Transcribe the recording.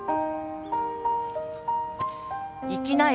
行きなよ。